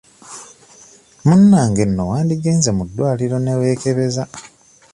Munnange nno wandigenze mu ddwaliro ne weekebeza.